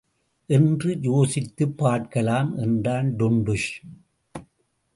என்று யோசித்துப் பார்க்கலாம்! என்றான் டுண்டுஷ்.